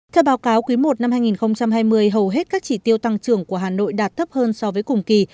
theo báo cáo quý i năm hai nghìn hai mươi hầu hết các chỉ tiêu tăng trưởng của hà nội đạt thấp hơn so với cùng kỳ